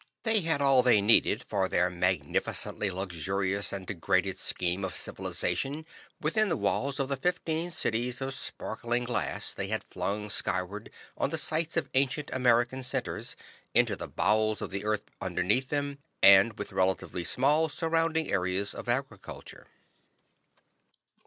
They had all they needed for their magnificently luxurious and degraded scheme of civilization, within the walls of the fifteen cities of sparkling glass they had flung skyward on the sites of ancient American centers, into the bowels of the earth underneath them, and with relatively small surrounding areas of agriculture.